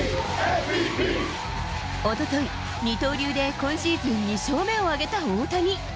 おととい、二刀流で今シーズン２勝目を挙げた大谷。